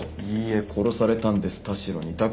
いいえ殺されたんです田代に。